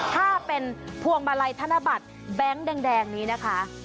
ถ้าเป็นพวงมาลัยธนบัตรแบงค์แดงนี้นะคะ